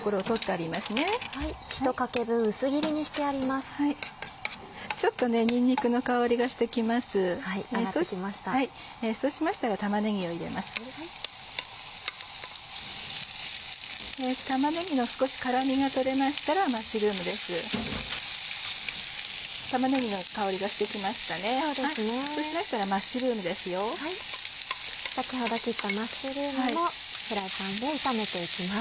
先ほど切ったマッシュルームもフライパンで炒めていきます。